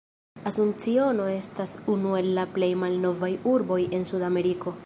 Asunciono estas unu el la plej malnovaj urboj en Sudameriko.